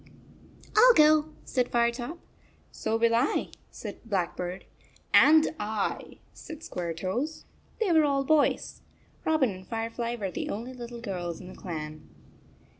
"Til go," said Firetop. "So will I," said Blackbird. "And I," said Squaretoes. They were all boys. Robin and Firefly were the only little girls in the clan.